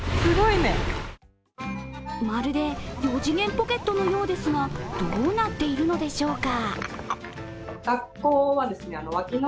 まるで四次元ポケットのようですがどうなっているのでしょうか。